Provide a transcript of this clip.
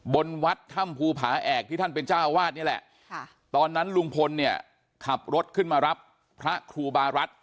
บนวัดถ้ำภูผาแอกที่ท่านเป็นเจ้าวาดนี่แหละตอนนั้นลุงพลเนี่ยขับรถขึ้นมารับพระครูบารัฐ